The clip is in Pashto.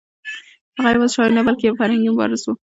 هغه یوازې شاعر نه بلکې یو فرهنګي مبارز هم و.